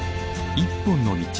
「一本の道」。